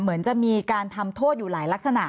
เหมือนจะมีการทำโทษอยู่หลายลักษณะ